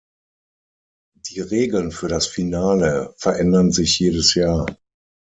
Die Regeln für das Finale verändern sich jedes Jahr.